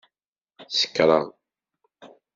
Sekṛeɣ.